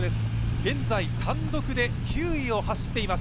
現在、単独で９位を走っています。